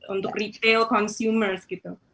untuk retail consumer gitu